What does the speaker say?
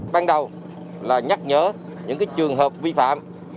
ban đầu là nhắc nhở những trường hợp vi phạm